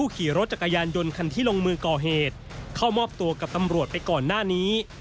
เข้ามอบตัวกับตำรวจไปก่อนหน้านี้